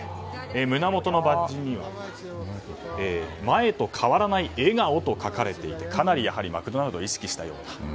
胸元のバッジには前と変わらない笑顔と書かれていて、かなりマクドナルドを意識したような。